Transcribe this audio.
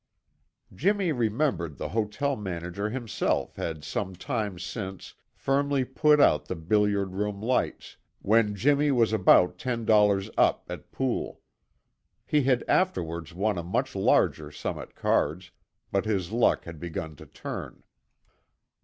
Jimmy remembered the hotel manager himself had some time since firmly put out the billiard room lights, when Jimmy was about ten dollars up at pool. He had afterwards won a much larger sum at cards, but his luck had begun to turn.